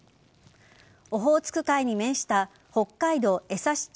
オホーツク海に面した北海道枝幸町